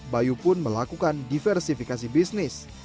bayu pun melakukan diversifikasi bisnis